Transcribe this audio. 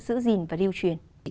giữ gìn và điều truyền